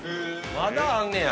◆まだあんねや。